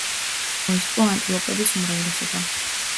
მოისპო ანტილოპების უმრავლესობა.